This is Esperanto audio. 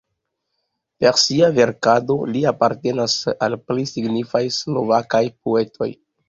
Per sia verkado li apartenas al plej signifaj slovakaj poetoj.